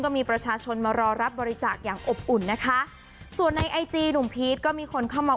มีประชาชนมารอรับบริจาคอย่างอบอุ่นนะคะส่วนในไอจีหนุ่มพีชก็มีคนเข้ามา